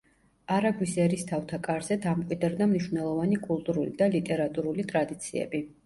არაგვის ერისთავთა კარზე დამკვიდრდა მნიშვნელოვანი კულტურული და ლიტერატურული ტრადიციები.